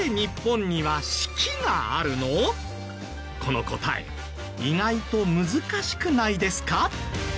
この答え意外と難しくないですか？